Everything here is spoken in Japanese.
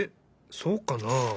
そうかな？